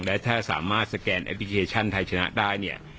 และถ้าสามารถสแกนแอปพลิเคชันไทยชนะได้เนี่ย